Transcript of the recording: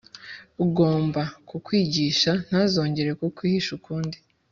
Ugomba kukwigisha ntazongera kwihisha ukundi,